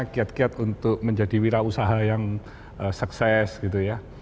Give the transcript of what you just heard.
kiat kiat untuk menjadi wirausaha yang sukses gitu ya